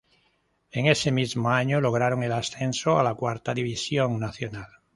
En ese mismo año logran el ascenso a la cuarta división nacional.